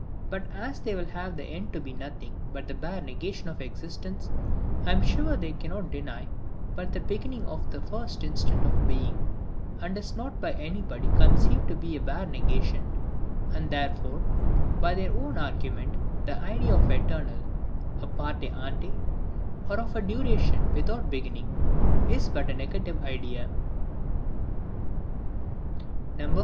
But as they will have the end to be nothing but the bare negation of existence, I am sure they cannot deny but the beginning of the first instant of being, and is not by any body conceived to be a bare negation; and therefore, by their own argument, the idea of eternal, A PARTE ANTE, or of a duration without a beginning, is but a negative idea.